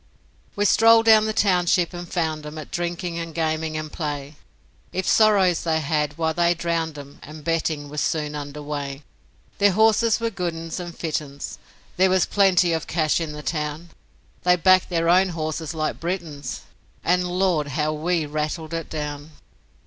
We strolled down the township and found 'em At drinking and gaming and play; If sorrows they had, why they drowned 'em, And betting was soon under way. Their horses were good 'uns and fit 'uns, There was plenty of cash in the town; They backed their own horses like Britons, And, Lord! how WE rattled it down!